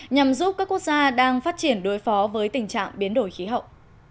nhằm giúp các quốc gia đang phát triển đối phó với tình trạng biến đổi khí hậu